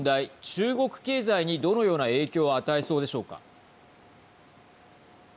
中国経済に、どのような影響を与えそうでしょうか。